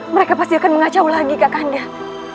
mereka pasti akan mengacau lagi kak kandas